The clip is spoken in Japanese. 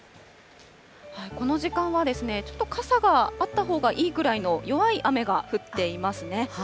この時間は、ちょっと傘があったほうがいいぐらいの弱い雨が降っていますね。